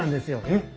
えっ？